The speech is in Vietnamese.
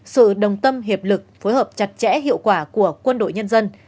sự đồng tâm hiệp lực phối hợp chặt chẽ hiệu quả của quân đội nhân dân